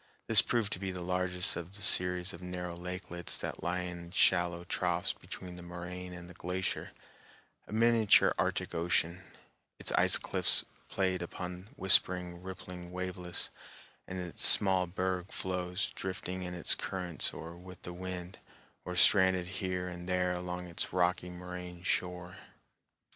This proved to be the largest of the series of narrow lakelets that lie in shallow troughs between the moraine and the glacier, a miniature Arctic Ocean, its ice cliffs played upon by whispering, rippling waveless and its small berg floes drifting in its currents or with the wind, or stranded here and there along its rocky moraine shore.